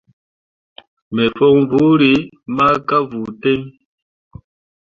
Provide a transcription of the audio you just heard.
Me fon buuri ma ka vuu ten.